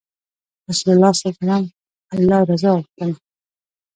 رسول الله ﷺ الله رضا غوښتله.